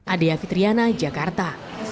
adia fitriana jakarta